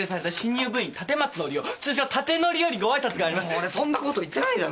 俺そんなこと言ってないだろ。